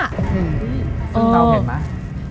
ซึ่งเธอเห็นมั้ย